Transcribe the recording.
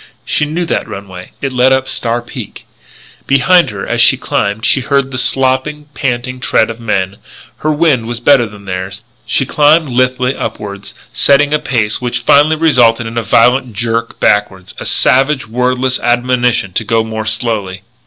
She knew that runway. It led up Star Peak. Behind her as she climbed she heard the slopping, panting tread of men; her wind was better than theirs; she climbed lithely upward, setting a pace which finally resulted in a violent jerk backward, a savage, wordless admonition to go more slowly.